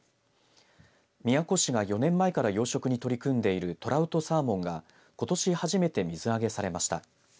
宮古市が４年前から養殖に取り組んでいるトラウトサーモンがことし初めて水揚げされました。